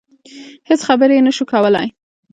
هېڅ خبرې يې نشوای کولای.